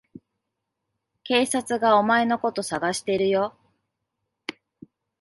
警察がお前のこと捜してるよ。